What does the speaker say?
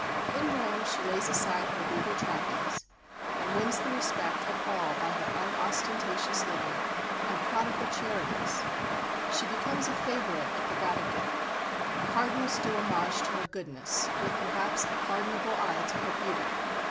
In Rome she lays aside her regal trappings, and wins the respect of all by her unostentatious living and her prodigal charities. She becomes a favourite at the Vatican; Cardinals do homage to her goodness, with perhaps a pardonable eye to her beauty.